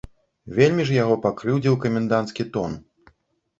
Вельмі ж яго пакрыўдзіў каменданцкі тон.